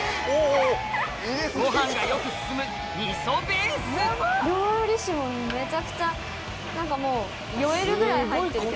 ご飯がよく進むみそベースもめちゃくちゃ何かもう。